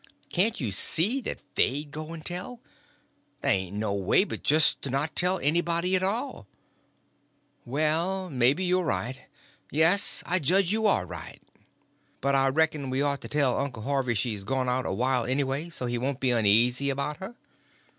Can't you see that they'd go and tell? Ther' ain't no way but just to not tell anybody at all." "Well, maybe you're right—yes, I judge you are right." "But I reckon we ought to tell Uncle Harvey she's gone out a while, anyway, so he won't be uneasy about her?"